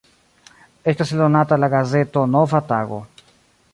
Estas eldonata la gazeto "Nova tago".